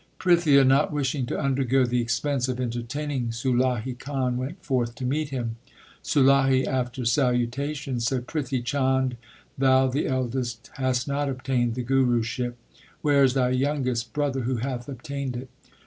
Prithia, not wishing to undergo the expense of entertaining Sulahi Khan, went forth to meet him. Sulahi after salutation said, Prithi Chand, thou the eldest hast not obtained the Guruship. Where is thy youngest brother who hath obtained it